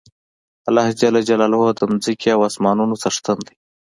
الله ج د ځمکی او اسمانونو څښتن دی